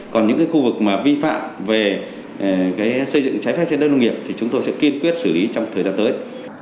còn những khu vực vi phạm về xây dựng trái phép trên đất nông nghiệp thì chúng tôi sẽ kiên quyết xử lý trong thời gian tới